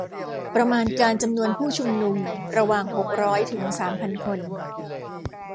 ประมาณการจำนวนผู้ชุมนุมระหว่างหกร้อยถึงสามพันคน